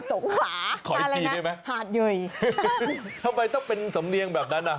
สงขลาขออีกทีได้ไหมหาดเยยทำไมต้องเป็นสำเนียงแบบนั้นอ่ะ